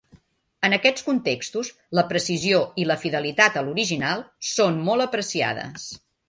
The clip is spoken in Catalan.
En aquests contextos, la precisió i la fidelitat a l'original són molt apreciades.